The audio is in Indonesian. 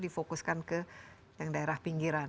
difokuskan ke yang daerah pinggiran